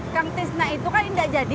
kang tisna itu kan tidak jadi